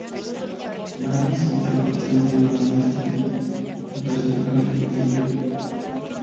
Davies sintió la presión de mantenerse fiel al personaje original de Jo.